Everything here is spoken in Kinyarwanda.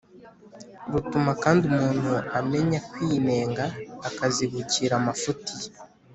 rutuma kandi umuntu amenya kwinenga akazibukira amafuti ye.